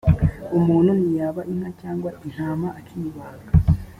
umuntu niyiba inka cyangwa intama akayibaga